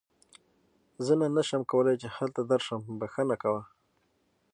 زه نن نشم کولی چې هلته درشم، بښنه کوه.